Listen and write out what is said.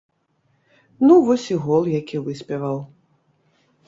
Ну вось і гол, які выспяваў.